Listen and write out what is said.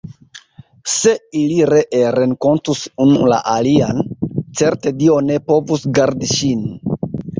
Se ili ree renkontus unu la alian, certe Dio ne povus gardi ŝin!